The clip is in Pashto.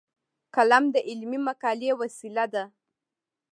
قلم د علمي مقالې وسیله ده